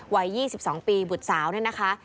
วัยยี่สิบสองปีบุฏสาวเนี่ยนะคะ